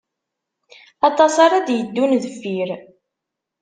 Aṭas ara d-yeddun deffir.